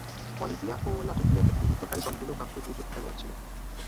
Bolivia ও লাটভিয়ার প্রতিনিধিত্বকারী দলগুলোতে মাত্র দুইজন খেলোয়াড় ছিল।